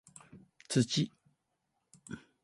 土